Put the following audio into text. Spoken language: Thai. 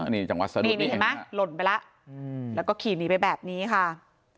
นี่จังหวะสนุกนี่เห็นไหมหล่นไปแล้วแล้วก็ขี่หนีไปแบบนี้ค่ะ